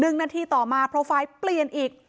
หนึ่งนาทีต่อมาโปรไฟล์เปลี่ยนอีก